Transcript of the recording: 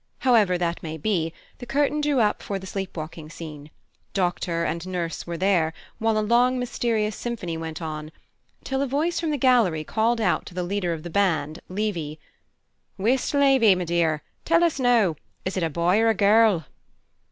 However that may be, the curtain drew up for the Sleep walking scene; Doctor and Nurse were there, while a long mysterious symphony went on till a voice from the gallery called out to the leader of the band, Levey 'Whist, Lavy, my dear tell us now is it a boy or a girl?'"